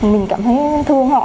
mình cảm thấy thương họ